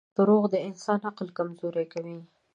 • دروغ د انسان عقل کمزوری کوي.